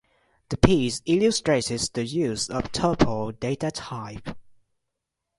The piece illustrates the use of tuple data type.